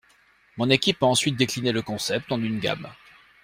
Mon équipe a ensuite décliné le concept en une gamme.